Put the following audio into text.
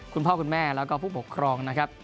คุณพ่อคุณแม่แล้วก็ผู้ปกครองนะครับ